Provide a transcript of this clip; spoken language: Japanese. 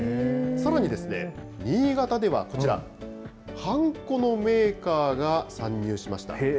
さらに、新潟ではこちら、はんこのメーカーが参入しました。